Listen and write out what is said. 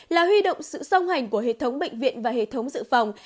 là huy động sự song hành của hệ thống bệnh viện và hệ thống dự phòng